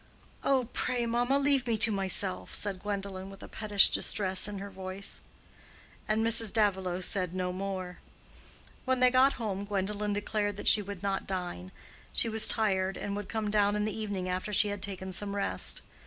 "Oh, pray, mamma, leave me to myself," said Gwendolen, with a pettish distress in her voice. And Mrs. Davilow said no more. When they got home Gwendolen declared that she would not dine. She was tired, and would come down in the evening after she had taken some rest.